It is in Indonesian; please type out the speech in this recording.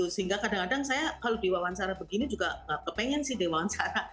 sehingga kadang kadang saya kalau diwawancara begini juga nggak kepengen sih diwawancara